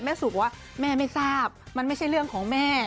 สุบอกว่าแม่ไม่ทราบมันไม่ใช่เรื่องของแม่